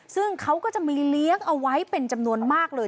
ซึ่งเขาก็จะมีเลี้ยงเอาไว้เป็นจำนวนมากเลย